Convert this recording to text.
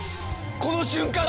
この瞬間だ！